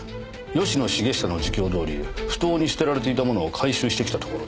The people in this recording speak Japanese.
吉野茂久の自供どおり埠頭に捨てられていたものを回収してきたところです。